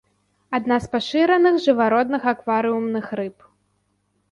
Адна з пашыраных жывародных акварыумных рыб.